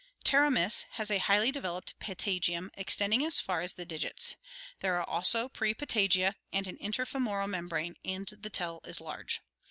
Pterotnys has a highly developed patagium extending as far as the digits. There are also prepatagia and an interfemoral mem brane, and the tail is large.